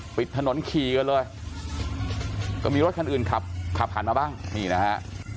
ปิดถนนขี่กันเลยก็มีรถคันอื่นขับขับผ่านมาบ้างนี่นะฮะ